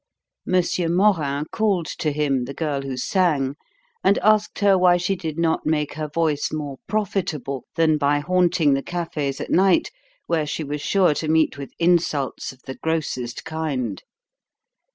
M. Morin called to him the girl who sang and asked her why she did not make her voice more profitable than by haunting the cafes at night, where she was sure to meet with insults of the grossest kind.